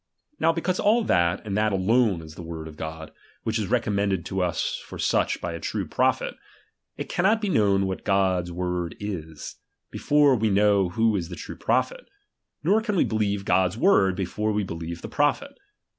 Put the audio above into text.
Now because all that, and that alone, is the tcord of Gof/, which is recommended to us for such by a true prophet, it cannot be known what God's word is, before we know who is the true prophet ; nor can we believe Gad's word, before we believe the prophet.